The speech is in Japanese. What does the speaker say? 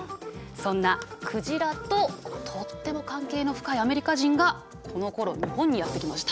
そんな鯨ととっても関係の深いアメリカ人がこのころ日本にやって来ました。